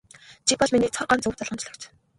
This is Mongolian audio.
Чи бол миний цорын ганц өв залгамжлагч.